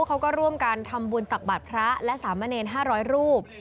เขาก็ร่วมกันทำบุญตักบาทพระและสามเณร๕๐๐รูป